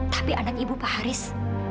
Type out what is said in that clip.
tapi anak ibu pa haris